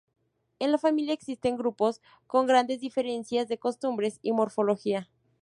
En la familia existen grupos con grandes diferencias de costumbres y morfología.